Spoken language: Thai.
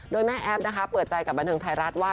โดยแม่แอฟนะคะเปิดใจกับบรรทัยรัฐว่า